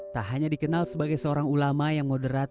tak hanya dikenal sebagai seorang ulama yang moderat